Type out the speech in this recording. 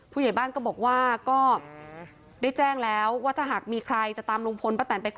ผู้ใหญ่บ้านก็บอกว่าก็ได้แจ้งแล้วว่าถ้าหากมีใครจะตามลุงพลป้าแตนไปก่อน